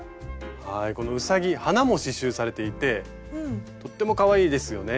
このうさぎ花も刺しゅうされていてとってもかわいいですよね。